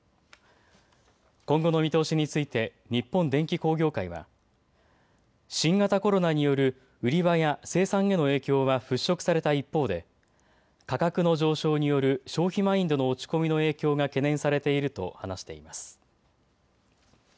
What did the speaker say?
今後の見通しについて日本電機工業会は新型コロナによる売り場や生産への影響は払拭された一方で価格の上昇による消費マインドの落ち込みの影響が懸念されていると話しています。